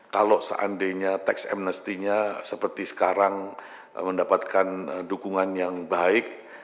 kalau seandainya tax amnesty nya seperti sekarang mendapatkan dukungan yang baik